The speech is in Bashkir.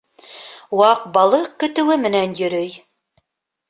Ваҡ балыҡ көтөүе менән йөрөй.